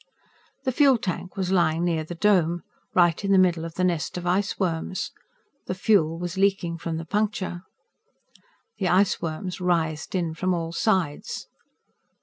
The fuel tank was lying near the Dome right in the middle of the nest of iceworms. The fuel was leaking from the puncture. The iceworms writhed in from all sides.